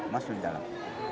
masuk di dalam